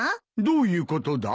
どういうことだ？